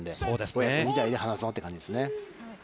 親子２代で花園って感じですね。